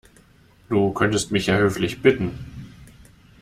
Du könntest mich ja höflich bitten.